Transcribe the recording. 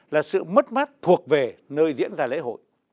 là sự mất mát thuộc về nơi diễn ra lễ hội